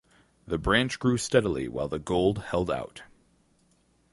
The branch grew steadily while the gold held out.